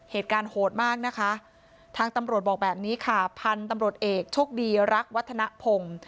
เหตุการณ์โหดมากนะคะทางตำรวจบอกแบบนี้ค่ะพันธุ์ตำรวจเอกโชคดีรักวัฒนภง